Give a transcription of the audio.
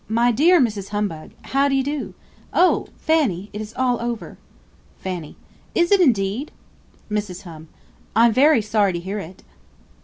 My dear Mrs. Humbug, how d'ye do? Oh! Fanny, it is all over. Fanny. Is it indeed! Mrs. Hum. I'm very sorry to hear it.